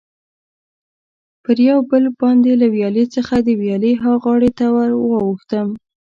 پر یو پل باندې له ویالې څخه د ویالې ها غاړې ته ور واوښتم.